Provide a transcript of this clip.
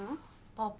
パパ。